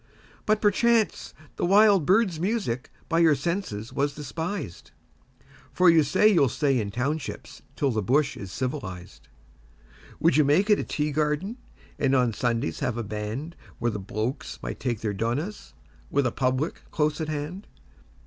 But, perchance, the wild birds' music by your senses was despised, For you say you'll stay in townships till the bush is civilised. Would you make it a tea garden and on Sundays have a band Where the 'blokes' might take their 'donahs', with a 'public' close at hand?